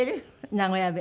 名古屋弁。